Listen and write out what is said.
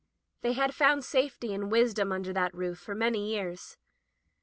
They had found safety and wisdom under that roof for many years.